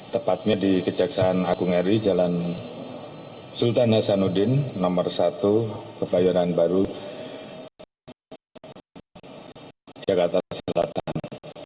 tepatnya di kejaksaan agung eri jalan sultan hasanuddin nomor satu kebayoran baru jakarta selatan